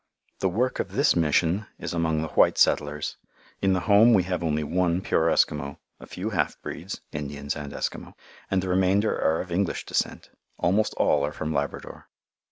The work of this Mission is among the white settlers. In the Home we have only one pure Eskimo, a few half breeds (Indians and Eskimo), and the remainder are of English descent. Almost all are from Labrador.